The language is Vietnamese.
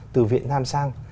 từ việt nam sang